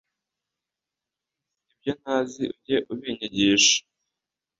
ibyo ntazi, ujye ubinyigisha